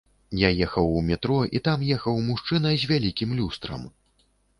Я ехаў у метро, і там ехаў мужчына з вялікім люстрам.